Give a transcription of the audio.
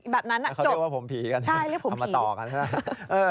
แบบนั้นนะจบเขาเรียกว่าผมผีกันใช่เรียกว่าผมผีทำมาต่อกันใช่ไหม